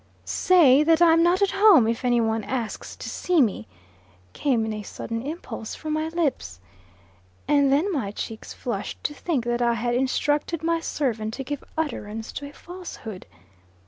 "Say that I'm not at home, if any one asks to see me," came in a sudden impulse from my lips. And then my cheeks flushed to think that I had instructed my servant to give utterance to a falsehood.